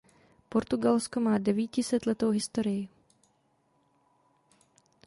Portugalsko má devítisetletou historii.